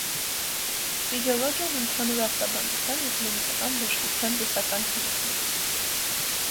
Ֆիզիոլոգիան ընդհանուր ախտաբանության և կլինիկական բժշկության տեսական հիմքն է։